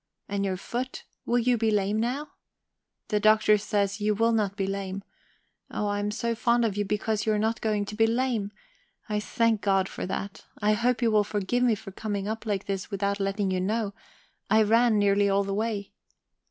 And your foot will you be lame now? The Doctor says you will not be lame. Oh, I am so fond of you because you are not going to be lame! I thank God for that. I hope you will forgive me for coming up like this without letting you know; I ran nearly all the way..."